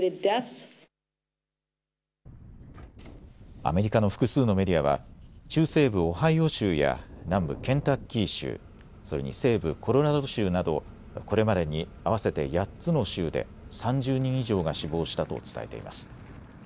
アメリカの複数のメディアは中西部オハイオ州や南部ケンタッキー州、それに西部コロラド州などこれまでに合わせて８つの州で３０人以上が死亡したと伝えています。